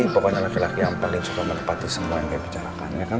pokoknya laki laki yang paling suka menepati semua yang saya bicarakan